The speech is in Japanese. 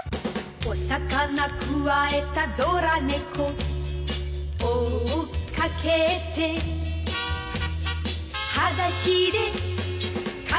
「お魚くわえたドラ猫」「追っかけて」「はだしでかけてく」